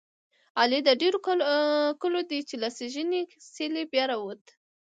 علي د ډېرو کلو دی. له سږنۍ څېلې بیا را ووت.